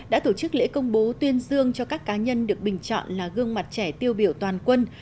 đã tổ chức lễ công bố tuyên dương cho các cá nhân được bình chọn là gương mặt trẻ tiêu biểu toàn quân